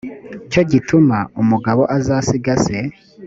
cyo gituma umugabo azasiga se